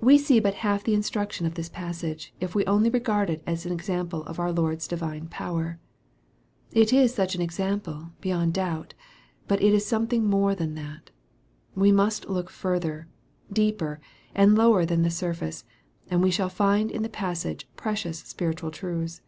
We see but half the instruction of this passage, if we only regard it as an example of our Lord's divine power. It is such an example, beyond doubt, but it is something more than that. We must look further, deeper, and lower than the surface, and we shall find in the passage precious spiritual truths.